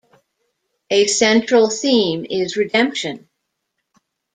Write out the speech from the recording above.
A central theme is redemption.